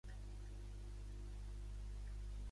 Ester Jiménez Temporal és una educadora nascuda a Manresa.